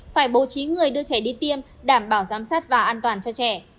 phải bố trí người đưa trẻ đi tiêm đảm bảo giám sát và an toàn cho trẻ